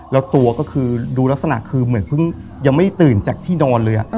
แล้วตัวก็คือดูลักษณะคือเหมือนเพิ่งยังไม่ตื่นจากที่นอนเลย